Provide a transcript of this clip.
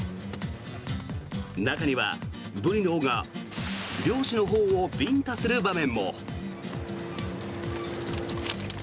中にはブリの尾が漁師の頬をビンタする場面も。